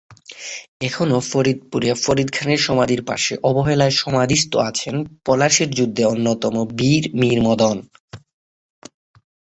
এখনও ফরিদপুরে ফরিদ খানের সমাধির পাশে অবহেলায় সমাধিস্থ আছেন পলাশীর যুদ্ধের অন্যতম বীর মীর মদন।